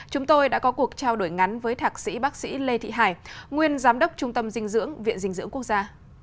chúng tôi đã có cuộc trao đổi ngắn với thạc sĩ bác sĩ lê thị hải nguyên giám đốc trung tâm dinh dưỡng viện dinh dưỡng quốc gia